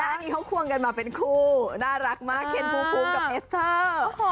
อันนี้เขาควงกันมาเป็นคู่น่ารักมากเช่นภูมิกับเอสเตอร์